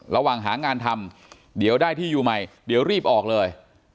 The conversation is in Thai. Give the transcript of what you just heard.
ระหว่างหางานทำเดี๋ยวได้ที่อยู่ใหม่เดี๋ยวรีบออกเลย